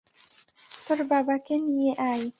তোর বাবাকে নিয়ে আয়।